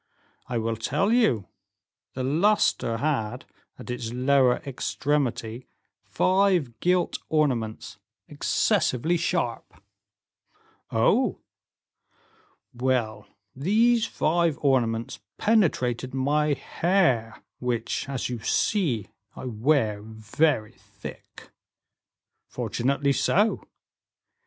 "I will tell you; the luster had, at its lower extremity, five gilt ornaments; excessively sharp." "Oh!" "Well, these five ornaments penetrated my hair, which, as you see, I wear very thick." "Fortunately so."